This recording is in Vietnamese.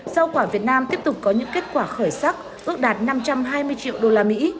rau quả việt nam tiếp tục có những kết quả khởi sắc ước đạt năm trăm hai mươi triệu đô la mỹ